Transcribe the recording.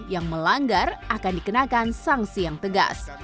yang melanggar akan dikenakan sanksi yang tegas